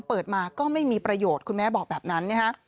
เปิดมาก็ไม่มีประโยชน์คุณแม่บอกแบบนั้นนะฮะ